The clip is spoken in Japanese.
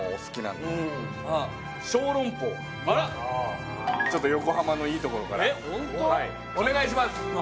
あらっちょっと横浜のいいところからお願いします！